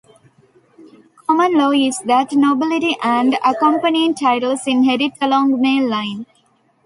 Common law is that nobility and accompanying titles inherit along male line.